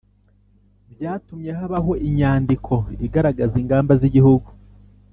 byatumye habaho inyandiko igaragaza ingamba z'igihugu